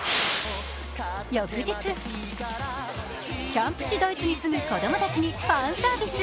翌日、キャンプ地ドイツに住む子供たちにファンサービス。